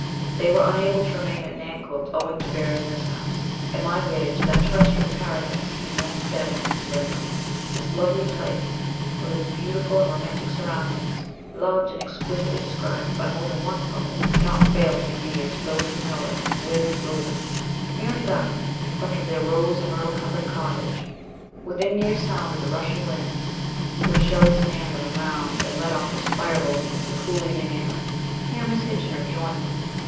They were unable to remain at Nantgwilt owing to various mishaps, and migrated to that terrestrial para dise in North Devon, Lynmouth. This lovely place, with its beautiful and romantic surroundings loved and exquisitely described by more than one poet, cannot fail to be dear to those who know it with and through 54 MBS. SHELLEY. them. Here, in a garden in front of their rose and myrtle covered cottage, within near sound of the rushing Lynn, would Shelley stand on a mound and let off his fire balloons in the cool evening air. Here Miss Kitchener joined them.